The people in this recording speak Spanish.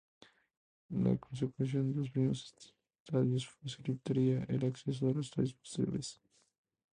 La consecución de los primeros estadios facilitaría el acceso a los estadios posteriores.